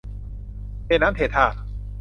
เทน้ำเทท่า